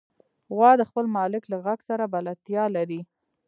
غوا د خپل مالک له غږ سره بلدتیا لري.